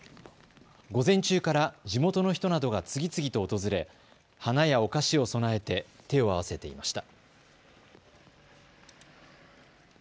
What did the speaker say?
午前中から地元の人などが次々と訪れ、花やお菓子を供えて手を合わせていました。